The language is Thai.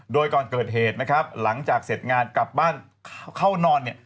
โดยก่อนเกิดเหตุนะครับหลังจากเสร็จงานกลับบ้านเข้านอนเนี่ย